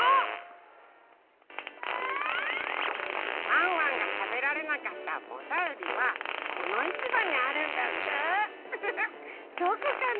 ワンワンがたべられなかったモサエビはこのいちばにあるんだって。